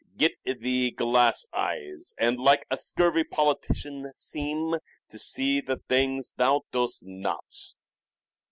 Get thee glass eyes ; And, like a scurvy politician, seem To see the things thou dost not."